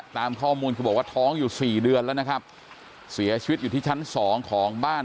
ตามข้อมูลคือบอกว่าท้องอยู่สี่เดือนแล้วนะครับเสียชีวิตอยู่ที่ชั้นสองของบ้าน